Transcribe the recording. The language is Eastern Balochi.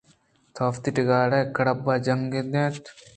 تو وتی ڈگار ءَ کڑب جنگ ءَ اَت ئے۔